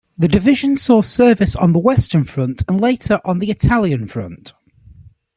The division saw service on the Western Front and later on the Italian Front.